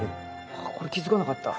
これ気づかなかった。